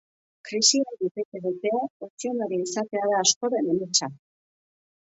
Krisialdi bete-betean, funtzionario izatea da askoren ametsa.